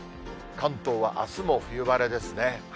関東はあすも冬晴れですね。